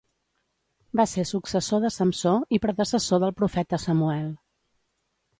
Va ser successor de Samsó, i predecessor del profeta Samuel.